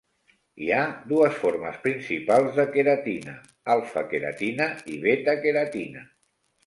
Hi ha dues formes principals de queratina, alfa-queratina i beta-queratina.